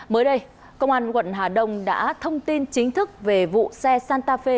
mới đây công an quận hà đông đã thông tin chính thức về vụ xe santa fe